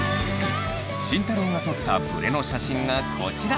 慎太郎が撮ったブレの写真がこちら。